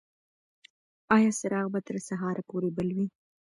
ایا څراغ به تر سهار پورې بل وي؟